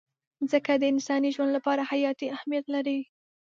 مځکه د انساني ژوند لپاره حیاتي اهمیت لري.